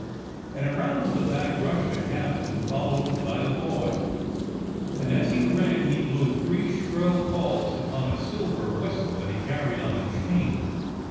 And around to the back rushed the captain, followed by the boy. And as he ran he blew three shrill calls upon a silver whistle that he carried on a chain.